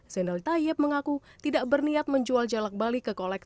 zainal tayyib mengaku tidak berniat menjual jelak bali